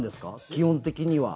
基本的には。